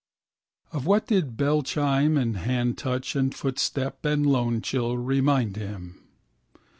Of what did bellchime and handtouch and footstep and lonechill remind him?